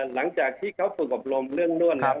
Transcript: หลังจากที่เขาประกอบรมเรื่องนั้นนะครับ